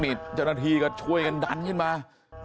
มิตรเจ้านาทีก็ช่วยกันดันขึ้นมา